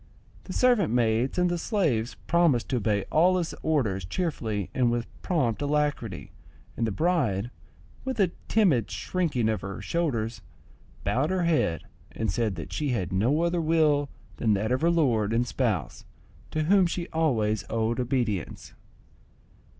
The servant maids and the slaves promised to obey all his orders cheerfully and with prompt alacrity and the bride, with a timid shrinking of her shoulders, bowed her head, and said that she had no other will than that of her lord and spouse, to whom she always owed obedience.